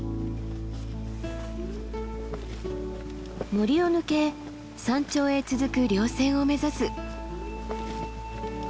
森を抜け山頂へ続く稜線を目指す。